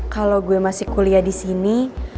kalau gue masih kuliah disini